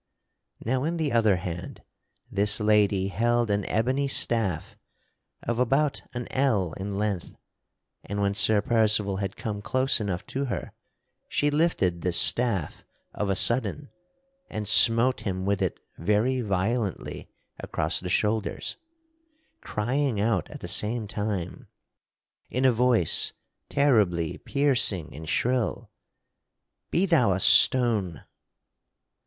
Now in the other hand this lady held an ebony staff of about an ell in length, and when Sir Percival had come close enough to her, she lifted this staff of a sudden and smote him with it very violently across the shoulders, crying out at the same time, in a voice terribly piercing and shrill: "Be thou a stone!"